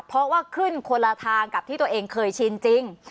เพราะว่าขึ้นคนละทางกับที่ตัวเองเคยชินจริง